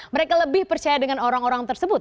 mereka lebih percaya dengan orang orang tersebut